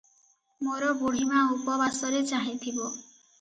ମୋର ବୁଢ଼ୀମା ଉପବାସରେ ଚାହିଁଥିବ ।